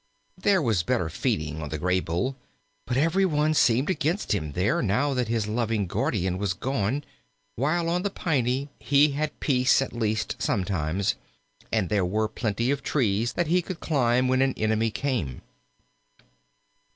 There was better feeding on the Graybull, but every one seemed against him there now that his loving guardian was gone, while on the Piney he had peace at least sometimes, and there were plenty of trees that he could climb when an enemy came.